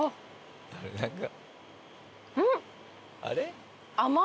あれ？